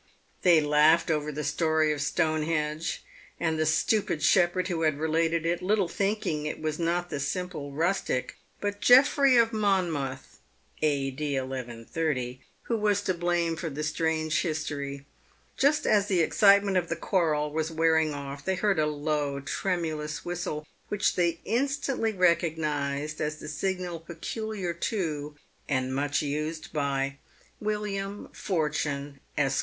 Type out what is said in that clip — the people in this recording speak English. v2 292 PAVED WITH GOLD. They laughed over the story of Stonehenge, and the stupid shepherd who had related it, little thinking it was not the simple rustic, but Jeffery of Monmouth (a.d. 1130), who was to blame for the strange history. Just as the excitement of the quarrel was wearing off, they heard a low, tremulous whistle, which they in stantly recognised as the signal peculiar to, and much used by, Wil liam Fortune, Esq.